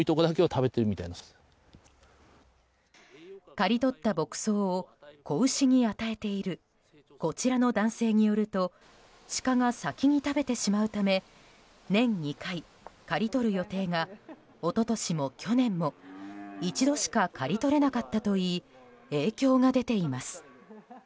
刈り取った牧草を子牛に与えているこちらの男性によるとシカが先に食べてしまうため年２回刈り取る予定が一昨年も去年も１度しか刈り取れなかったといい影響が出ています。